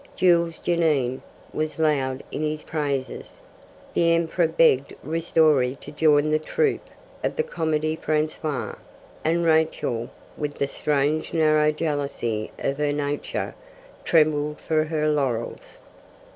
Jules Janin was loud in his praises, the Emperor begged Ristori to join the troupe of the Comedie Francaise, and Rachel, with the strange narrow jealousy of her nature, trembled for her laurels.